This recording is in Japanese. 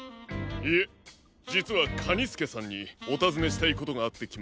いえじつはカニスケさんにおたずねしたいことがあってきました。